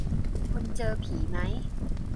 คุณเจอผีมั้ย